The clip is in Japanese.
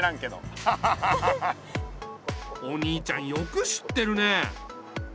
お兄ちゃんよく知ってるね。